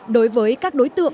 đối với các đối tượng